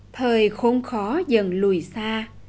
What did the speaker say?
thời khôn khó dần lùi xa